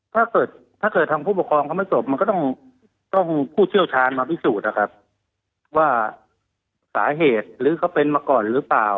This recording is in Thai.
ถ้าเกิดถ้าเกิดทางผู้ปกครองเขาไม่จบมันก็ต้องผู้เชี่ยวชาญมาพิสูจน์นะครับว่าสาเหตุหรือเขาเป็นมาก่อนหรือเปล่า